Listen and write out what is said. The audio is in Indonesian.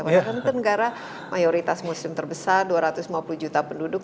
padahal kan negara mayoritas muslim terbesar dua ratus lima puluh juta penduduk